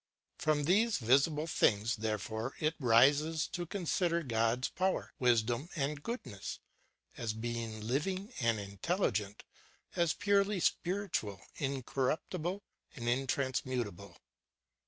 From these visible things, therefore, it rises to consider God's power^ wisdom, and goodness, as being, living, and intelligent, as purely spiritual, incorruptible, and intransmutahle.